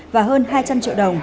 và hơn hai trăm linh triệu đồng